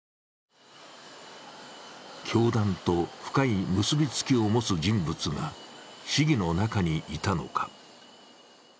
教団と深い結びつきを持つ人物が市議の中にいたのか。